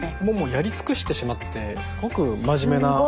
もうやり尽くしてしまってすごく真面目な。